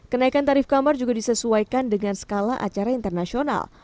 kenaikan tarif kamar juga disesuaikan dengan skala acara internasional